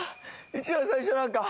一番最初なんか。